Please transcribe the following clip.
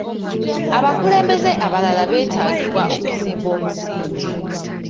Abakulembeze abalala beetaagibwa okuzimba omusingi.